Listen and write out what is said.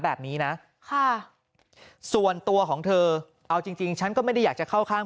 แบบนี้นะค่ะส่วนตัวของเธอเอาจริงฉันก็ไม่ได้อยากจะเข้าข้าง